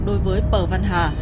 đối với pờ văn hà